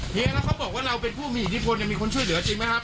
แล้วเขาบอกว่าเราเป็นผู้มีอิทธิพลยังมีคนช่วยเหลือจริงไหมครับ